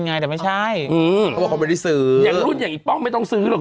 ไงแต่ไม่ใช่อืมหรือยังรุ่นอย่างอีบป้องไม่ต้องซื้อหรอก